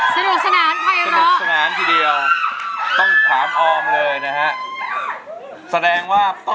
แฟนชาวบ้านแฟนชาวบ้าน